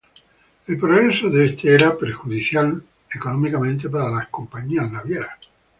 El progreso de este, era perjudicial económicamente para las compañías navieras.